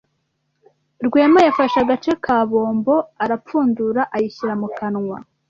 Rwema yafashe agace ka bombo, arapfundura ayishyira mu kanwa.